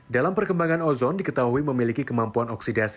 dalam perkembangan ozon diketahui memiliki kemampuan oksidasi